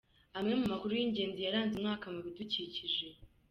Amwe mu makuru y’ingenzi yaranze umwaka mu bidukikije